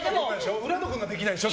浦野君ができないんでしょ。